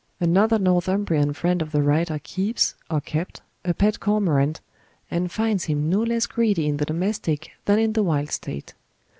Another Northumbrian friend of the writer keeps, or kept, a pet cormorant, and finds him no less greedy in the domestic than in the wild state.